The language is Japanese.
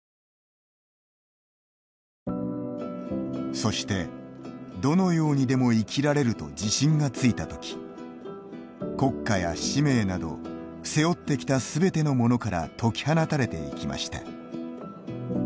そしてどのようにでも生きられると自信がついた時国家や使命など背負ってきた全てのものから解き放たれていきました。